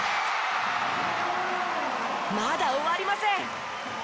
まだ終わりません。